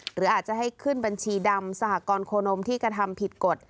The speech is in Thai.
หรืออาจจะให้ขึ้นบัญชีดำสหกรณ์โคนมที่กระทำผิดกฎ